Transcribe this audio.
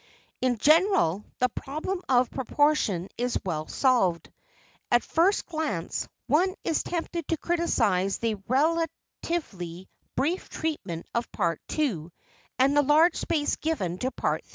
In general, the problem of proportion is well solved. At first glance, one is tempted to criticize the relatively brief treatment of Part II and the large space given to Part III.